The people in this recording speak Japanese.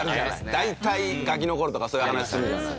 大体ガキの頃とかそういう話するじゃない。